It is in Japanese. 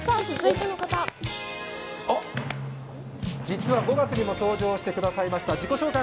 実は５月にも登場してくださいました。